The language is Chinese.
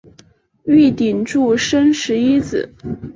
玉鼎柱生十一子。